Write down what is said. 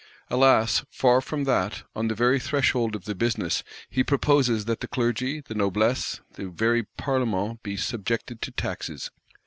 Alas, far from that: on the very threshold of the business, he proposes that the Clergy, the Noblesse, the very Parlements be subjected to taxes!